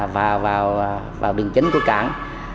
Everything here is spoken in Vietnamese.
và vào bình chính của cảng